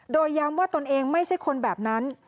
โดยย้ำว่าตนเองไม่ใช่คนแบบนั้น